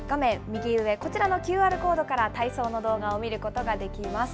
右上、こちらのＱＲコードから体操の動画を見ることができます。